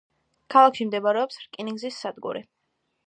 ქალაქში მდებარეობს რკინიგზის სადგური.